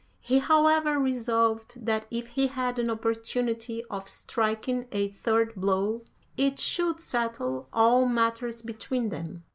He however resolved that if he had an opportunity of striking a third blow, it should settle all matters between them.